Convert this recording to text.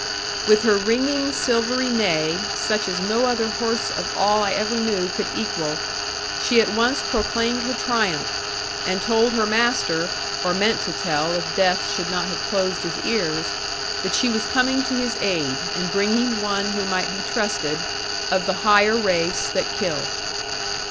With her ringing silvery neigh, such as no other horse of all I ever knew could equal, she at once proclaimed her triumph, and told her master (or meant to tell, if death should not have closed his ears) that she was coming to his aid, and bringing one who might be trusted, of the higher race that kill.